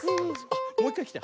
あっもういっかいきた。